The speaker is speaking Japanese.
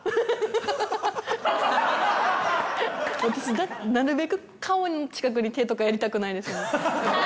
私なるべく顔の近くに手とかやりたくないんですよね。